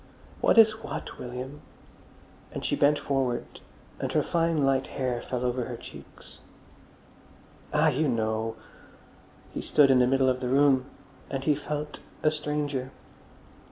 "What is what, William?" And she bent forward, and her fine light hair fell over her cheeks. "Ah, you know!" He stood in the middle of the room and he felt a stranger.